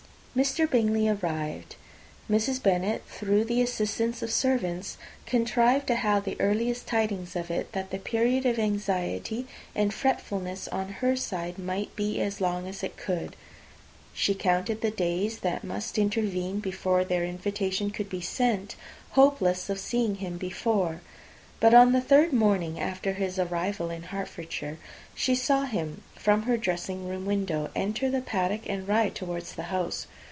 Mr. Bingley arrived. Mrs. Bennet, through the assistance of servants, contrived to have the earliest tidings of it, that the period of anxiety and fretfulness on her side be as long as it could. She counted the days that must intervene before their invitation could be sent hopeless of seeing him before. But on the third morning after his arrival in Hertfordshire, she saw him from her dressing room window enter the paddock, and ride towards the house.